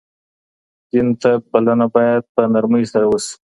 دين ته بلنه بايد په نرمۍ سره وسي.